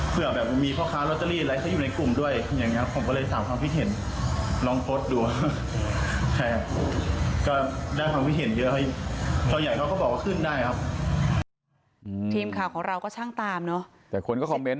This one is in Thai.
เผื่อแบบมีพ่อค้าร็อตเตอรี่อะไรเขาอยู่ในกลุ่มด้วย